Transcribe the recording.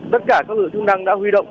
tất cả các lực lượng chức năng đã huy động